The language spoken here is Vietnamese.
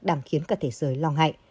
đang khiến cả thế giới lo ngại